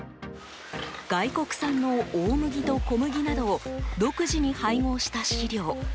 外国産の大麦と小麦などを独自に配合した飼料。